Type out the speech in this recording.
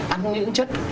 ăn những chất